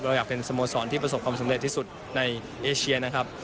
เราอยากเป็นสโมสรที่ประสบความสำเร็จที่สุดในเอเชียนะครับ